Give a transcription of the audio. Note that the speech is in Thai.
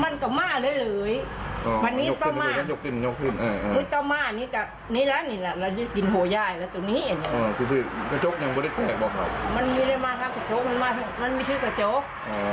มันมีเลยมาครับกระโจ๊กมันมีชื่อกระโจ๊ก